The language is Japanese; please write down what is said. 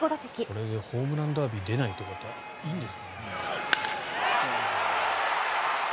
これでホームランダービー出ないということでいいんですかね。